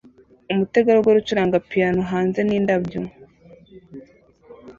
Umutegarugori ucuranga piyano hanze n'indabyo